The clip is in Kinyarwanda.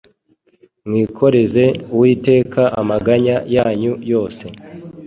Mwikoreze Uwiteka amaganya yanyu yose